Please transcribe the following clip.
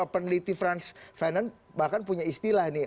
peneliti frans venen bahkan punya istilah ini